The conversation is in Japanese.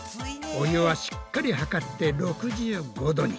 お湯はしっかり測って６５℃に。